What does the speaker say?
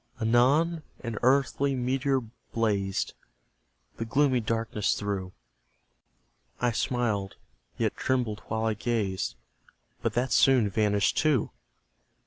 Anon, an earthly meteor blazed The gloomy darkness through; I smiled, yet trembled while I gazed But that soon vanished too!